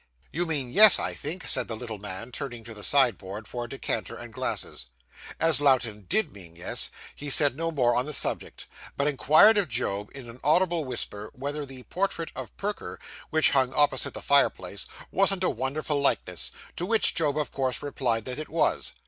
'You mean yes, I think,' said the little man, turning to the sideboard for a decanter and glasses. As Lowten _did _mean yes, he said no more on the subject, but inquired of Job, in an audible whisper, whether the portrait of Perker, which hung opposite the fireplace, wasn't a wonderful likeness, to which Job of course replied that it was.